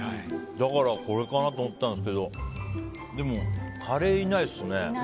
だから、これかなと思ったんですけどでもカレーいないですね。